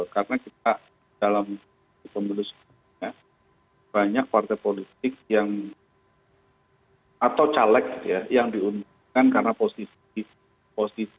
karena kita dalam pemilu sementara ya banyak partai politik yang atau caleg ya yang diunduhkan karena posisi